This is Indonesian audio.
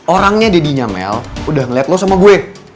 orangnya deddy nyamel udah ngeliat lo sama gue